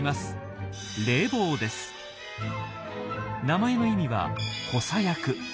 名前の意味は「補佐役」。